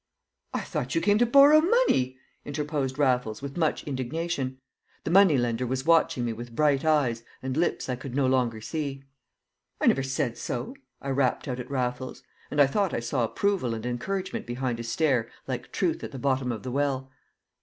"I thought you came to borrow money!" interposed Raffles with much indignation. The moneylender was watching me with bright eyes and lips I could no longer see. "I never said so," I rapped out at Raffles; and I thought I saw approval and encouragement behind his stare like truth at the bottom of the well.